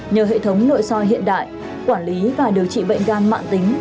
nhờ hệ thống nội soi hiện đại quản lý và điều trị bệnh gan mạng tính